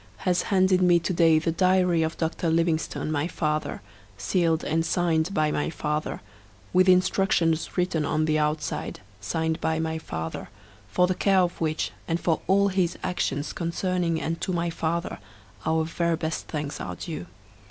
has handed to me to day the diary of Dr. Livingstone, my father, sealed and signed by my father, with instructions written on the outside, signed by my father, for the care of which, and for all his actions concerning and to my father, our very best thanks are due.